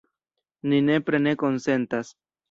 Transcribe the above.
Mi nepre ne konsentas.